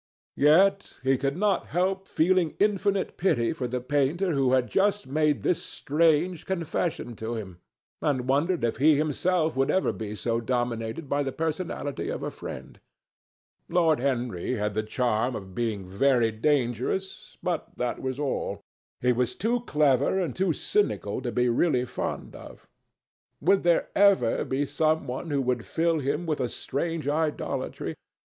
Yet he could not help feeling infinite pity for the painter who had just made this strange confession to him, and wondered if he himself would ever be so dominated by the personality of a friend. Lord Henry had the charm of being very dangerous. But that was all. He was too clever and too cynical to be really fond of. Would there ever be some one who would fill him with a strange idolatry?